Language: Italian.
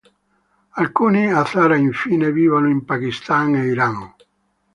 Alcuni hazara, infine, vivono in Pakistan e Iran.